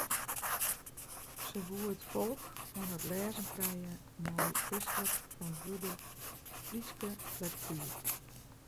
Se woe ‘it folk’ oan it lêzen krije mei kristlik ferantwurde Fryske lektuer.